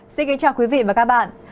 xin kính chào quý vị và các bạn